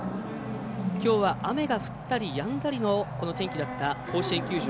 きょうは雨が降ったりやんだりのこの天気だった甲子園球場。